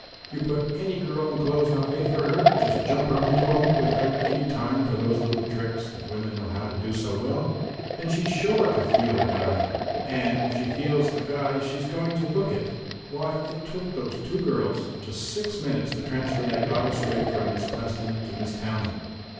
You put any girl in clothes not made for her just jump her into 'em without any time for those little tricks that women know so well how to do and she's sure to feel a guy. And if she feels a guy, she's going to look it. Why, it took those two girls just six minutes to transfer that goddess rig from Miss Preston to Miss Townsend.